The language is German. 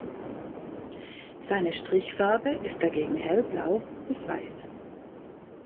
Seine Strichfarbe ist dagegen hellblau bis weiß.